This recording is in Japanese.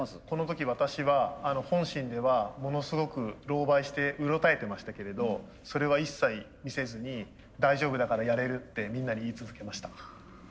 この時私は本心ではものすごくろうばいしてうろたえてましたけれどそれは一切見せずに「大丈夫だからやれる」ってみんなに言い続けました。